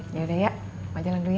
yaudah ya gak jalan dulu ya